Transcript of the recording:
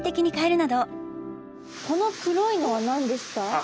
この黒いのは何ですか？